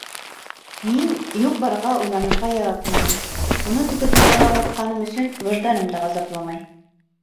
Мин юҡ-барға уйланырға яратмайым, уны теге донъяға оҙатҡаным өсөн выжданым да ғазапламай.